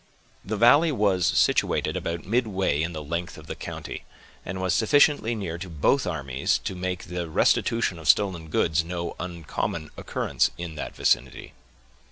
The valley was situated about midway in the length of the county, and was sufficiently near to both armies to make the restitution of stolen goods no uncommon occurrence in that vicinity.